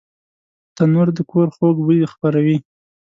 تنور د کور خوږ بوی خپروي